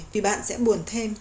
vì bạn sẽ buồn thêm